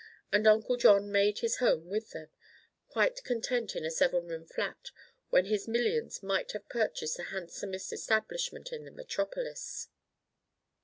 And Uncle John made his home with them, quite content in a seven room flat when his millions might have purchased the handsomest establishment in the metropolis.